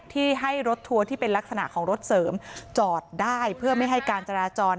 ที่ให้รถทัวร์ที่เป็นลักษณะของรถเสริมจอดได้เพื่อไม่ให้การจราจร